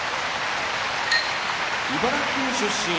茨城県出身